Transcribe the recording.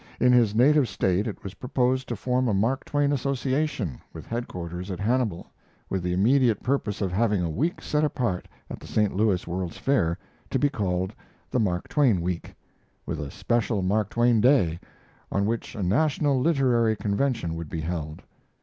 In his native State it was proposed to form a Mark Twain Association, with headquarters at Hannibal, with the immediate purpose of having a week set apart at the St. Louis World's Fair, to be called the Mark Twain week, with a special Mark Twain day, on which a national literary convention would be held.